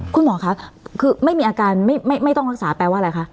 คุณหมอคะคือไม่มีอาการไม่ต้องรักษาแปลว่าอะไรคะ